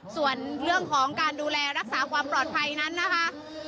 ส่วนเรื่องของการดูแลรักษาความปลอดภัยนั้นนะคะ